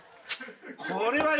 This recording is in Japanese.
これはよ。